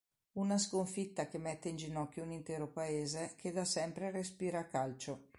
Una sconfitta che mette in ginocchio un intero paese, che da sempre respira calcio.